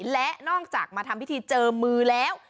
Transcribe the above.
และนอกจากมาทำพิธีเจอมือแล้ว